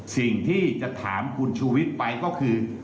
สิ่งที่จะถามคุณชูวิทย์ไปก็คือ